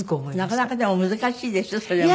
なかなかでも難しいですよそれもね。